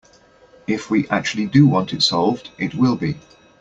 If we actually do want it solved, it will be.